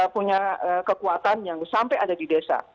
punya kekuatan yang sampai ada di desa